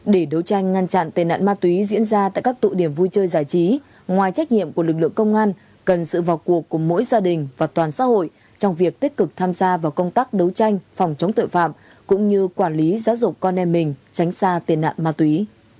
để đấu tranh ngăn chặn tên nạn ma túy diễn ra tại các tụ điểm vui chơi giải trí ngoài trách nhiệm của lực lượng công an cần sự vào cuộc của mỗi gia đình và toàn xã hội trong việc tích cực tham gia vào công tác đấu tranh phòng chống tội phạm cũng như quản lý giáo dục con em mình tránh xa tiền nạn ma túy